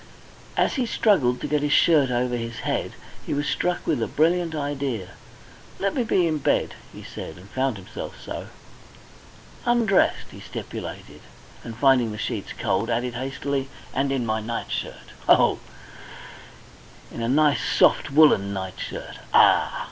As he struggled to get his shirt over his head, he was struck with a brilliant idea. "Let me be in bed," he said, and found himself so. "Undressed," he stipulated; and, finding the sheets cold, added hastily, "and in my nightshirt ho, in a nice soft woollen nightshirt. Ah!"